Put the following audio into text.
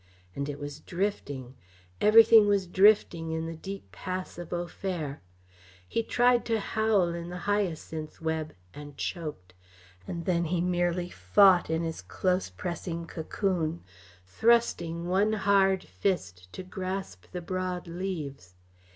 And it was drifting everything was drifting in the deep pass of Au Fer. He tried to howl in the hyacinth web, and choked and then he merely fought in his close pressing cocoon, thrusting one hard fist to grasp the broad leaves.